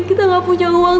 kita gak punya uang